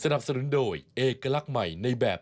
อะมิ๊กรู้จักแล้วใช่ไหม